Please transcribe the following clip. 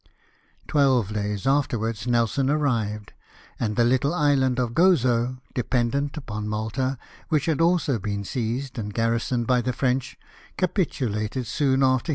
Twelve days afterwards Nelson arrived, and the little island of Gozo, dependent upon Malta, which had also been seized and garrisoned by the French, capitulated soon after GENERAL MACK.